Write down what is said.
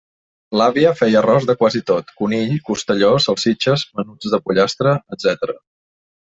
L'àvia feia arròs de quasi tot: conill, costelló, salsitxes, menuts de pollastre, etc.